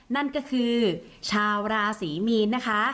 นั่นก็คือชาวราศรีมีนนะคะ